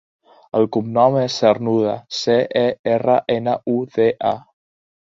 El cognom és Cernuda: ce, e, erra, ena, u, de, a.